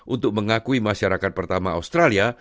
untuk mengakui masyarakat pertama australia